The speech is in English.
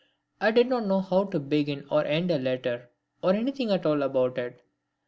I did not know how to begin or end a letter, or anything at all about it.